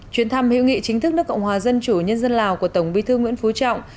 chuyến thăm hữu nghị chính thức nước cộng hòa dân chủ nhân dân lào của tổng bí thư nguyễn phú trọng